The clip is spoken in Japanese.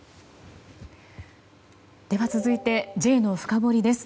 では続いてＪのフカボリです。